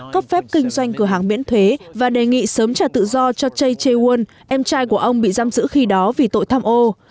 cấp phép kinh doanh cửa hàng miễn thuế và đề nghị sớm trả tự do cho chae tae woon em trai của ông bị giam giữ khi đó vì tội thăm ô